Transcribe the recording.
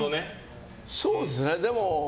そうですね。